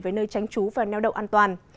với nơi tránh trú và neo đậu an toàn